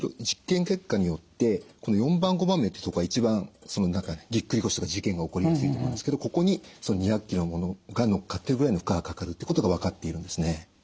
実験結果によってこの４番５番目ってとこが一番その中でぎっくり腰とか事件が起こりやすいとこなんですけどここに２００ｋｇの物がのっかってるぐらいの負荷がかかるってことが分かっているんですね。